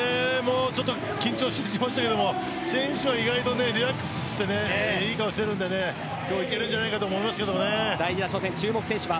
緊張してきましたけど選手は意外とリラックスしていい顔しているので今日はいけるんじゃないかと大事な初戦、注目選手は？